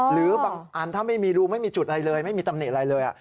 หรือบางอันถ้าไม่มีรูไม่มีจุดอะไรเลยไม่มีตำหนิอะไรเลย